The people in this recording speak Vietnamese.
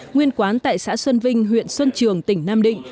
nguyên quán tại xã xuân vinh huyện xuân trường tỉnh nam định